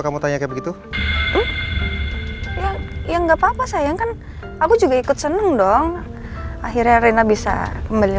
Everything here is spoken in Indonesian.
kamu tanya begitu ya nggak papa sayang kan aku juga ikut seneng dong akhirnya rena bisa kembali